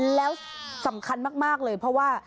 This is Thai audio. แล้วสำคัญมากเลยเพราะว่า